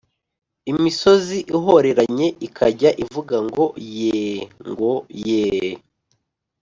imisozi ihoreranye ikajya ivuga ngo yee ngo yee.